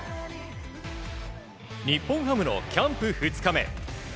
日本ハムのキャンプ２日目。